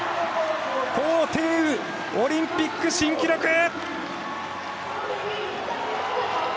高亭宇、オリンピック新記録！